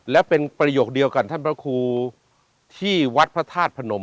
และเป็นประโยคเดียวกันท่านพระครูที่วัดพระธาตุพนม